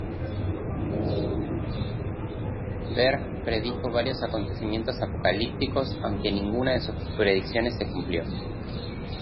Berg predijo varios acontecimientos apocalípticos, aunque ninguna de sus predicciones se cumplió.